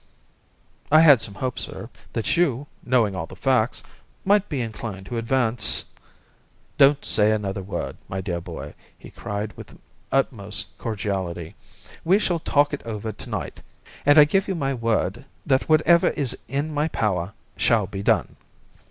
"I had some hopes, sir, that you, knowing all the facts, might be inclined to advance " "Don't say another word, my dear boy," he cried, with the utmost cordiality; "we shall talk it over tonight, and I give you my word that whatever is in my power shall be done."